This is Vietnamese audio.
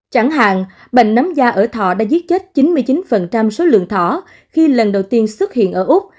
chẳng hạn bệnh nấm da ở thọ đã giết chết chín mươi chín số lượng thỏ khi lần đầu tiên xuất hiện ở úc